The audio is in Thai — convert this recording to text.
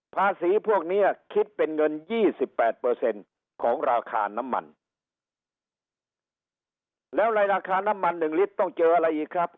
ภาษีพวกนี้คิดเป็นเงินยี่สิบแปดเปอร์เซ็นต์ของราคาน้ำมันแล้วในราคาน้ำมันหนึ่งลิตรต้องเจออะไรอีกครับ